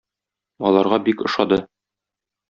Аларга бик ошады.